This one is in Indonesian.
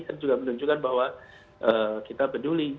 kan juga menunjukkan bahwa kita peduli